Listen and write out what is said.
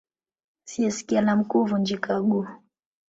Asiyekia la Mkuu Huvunyika Guu